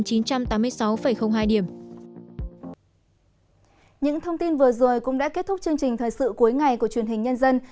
những thông tin vừa rồi cũng đã kết thúc chương trình thời sự cuối ngày của truyền hình nhân dân